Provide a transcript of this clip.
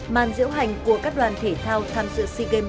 màn diễu hành của các đoàn thể thao tham dự sea games ba mươi